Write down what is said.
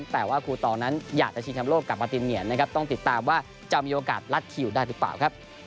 แต่ว่าครูตองนั้นอยากจะชิงชำโลกกลับมาตินเหียนนะครับต้องติดตามว่าจะมีโอกาสลัดคิวได้หรือเปล่าครับ